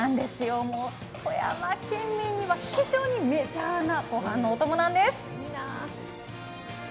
富山県民には非常にメジャーなご飯のおともなんです。